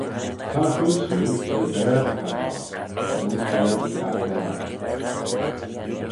Son y chooid smoo, she Baarle t'ad loayrt, as ayns Baarle, t'ad dellal.